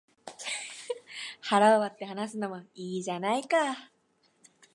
腹を割って話すのもいいじゃないか